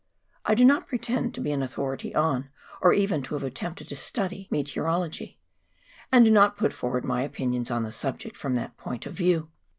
I do not pretend to be an authority on, or even to have attempted to study meteor ology, and do not put forward my opinions on the subject from that point of view.